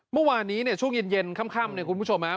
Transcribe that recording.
เมื่อวานนี้เนี่ยช่วงเย็นค่ำเนี่ยคุณผู้ชมครับ